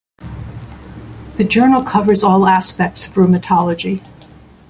The journal covers all aspects of rheumatology.